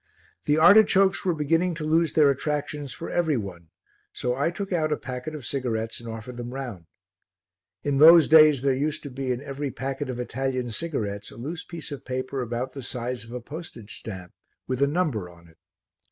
The artichokes were beginning to lose their attractions for every one, so I took out a packet of cigarettes and offered them round. In those days there used to be in every packet of Italian cigarettes a loose piece of paper about the size of a postage stamp with a number on it.